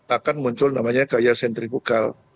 akan muncul namanya kaya sentrifugal